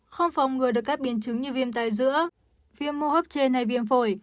không phòng ngừa được các biến chứng như viêm tai dữa viêm mô hấp trên hay viêm phổi